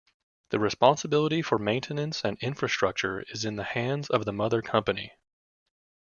The responsibility for maintenance and infrastructure is in the hands of the mother company.